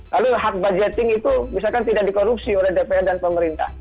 lalu hak budgeting itu misalkan tidak dikorupsi oleh dpr dan pemerintah